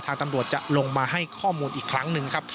ตำรวจจะลงมาให้ข้อมูลอีกครั้งหนึ่งครับ